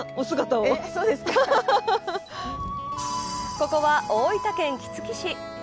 ここは、大分県杵築市。